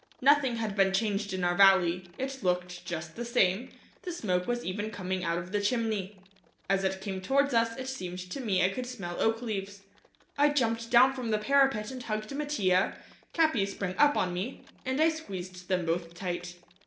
Nothing had been changed in our valley; it looked just the same; the smoke was even coming out of the chimney. As it came towards us it seemed to me I could smell oak leaves. I jumped down from the parapet and hugged Mattia, Capi sprang up on me, and I squeezed them both tight.